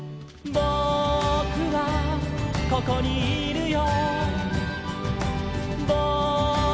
「ぼくはここにいるよ」